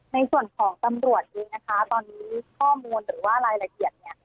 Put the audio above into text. ในส่วนของตำรวจเองนะคะตอนนี้ข้อมูลหรือว่ารายละเอียดเนี่ย